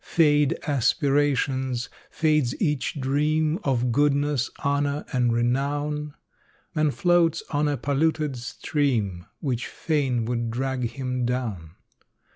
Fade aspirations, fades each dream Of goodness, honor and renown. Man floats on a polluted stream, Which fain would drag him down.